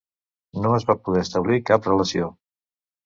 No es va poder establir cap relació.